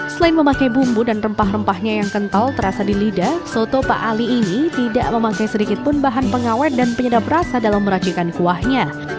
selain memakai bumbu dan rempah rempahnya yang kental terasa di lidah soto pak ali ini tidak memakai sedikit pun bahan pengawet dan penyedap rasa dalam meracikan kuahnya